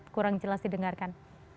kurang jelas didengarkan